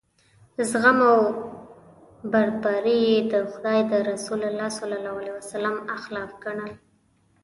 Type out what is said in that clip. زغم او بردباري یې د خدای د رسول صلی الله علیه وسلم اخلاق ګڼل.